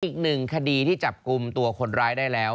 อีกหนึ่งคดีที่จับกลุ่มตัวคนร้ายได้แล้ว